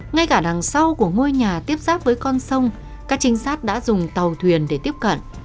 ngay cả đằng sau của ngôi nhà tiếp giáp với con sông các trinh sát đã dùng tàu thuyền để tiếp cận